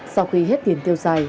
sau khi hết tiền tiêu xài